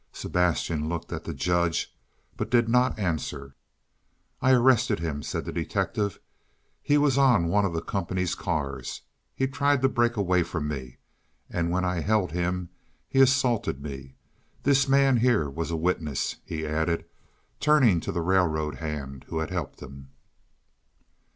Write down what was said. Sebastian looked at the judge, but did not answer. "I arrested him," said the detective. "He was on one of the company's cars. He tried to break away from me, and when I held him he assaulted me. This man here was a witness," he added, turning to the railroad hand who had helped him.